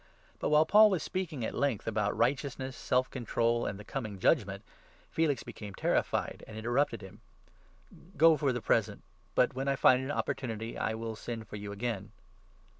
But, while Paul 25 was speaking at length about righteousness, self control, and the coming judgement, Felix became terrified, and interrupted him —" Go for the present, but, when I find an opportunity, I will send for you again."